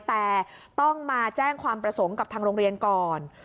แต่ต้องมาแจ้งความประสงค์กับทางโรงเรียนก่อน